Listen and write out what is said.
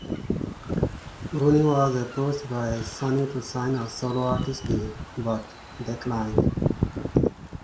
Rooney was approached by Sony to sign a solo artist deal but declined.